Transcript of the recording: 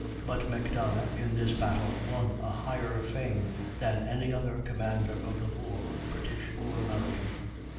But Macdonough in this battle won a higher fame than any other commander of the war, British or American.